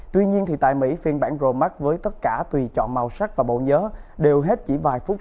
tuy nhiên tại mỹ phiên bản pro max với tất cả tùy chọn màu sắc và bộ nhớ đều hết chỉ vài phút